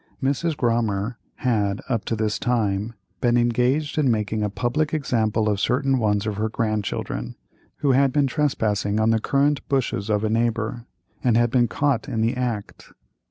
Mrs. Grommer had, up to this time, been engaged in making a public example of certain ones of her grandchildren, who had been trespassing on the currant bushes of a neighbor, and had been caught in the act.